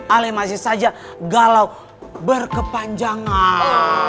ale masih saja galau berkepanjangan